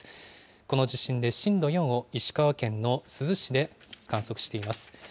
この地震で震度４を石川県の珠洲市で観測しています。